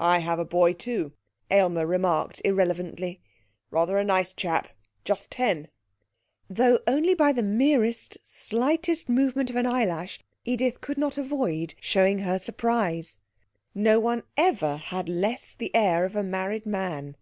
'I have a boy, too,' Aylmer remarked irrelevantly, 'rather a nice chap. Just ten.' Though only by the merest, slightest movement of an eyelash Edith could not avoid showing her surprise. No one ever had less the air of a married man.